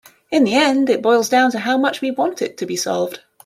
In the end it boils down to how much we want it to be solved.